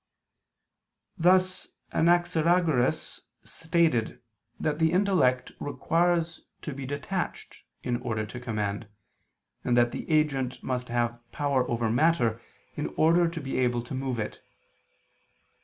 Thus Anaxagoras stated that the intellect requires to be "detached" in order to command, and that the agent must have power over matter, in order to be able to move it.